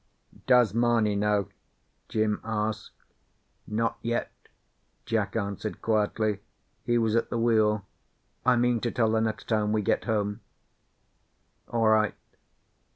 "Does Mamie know?" Jim asked. "Not yet," Jack answered quietly. He was at the wheel. "I mean to tell her next time we get home." "All right."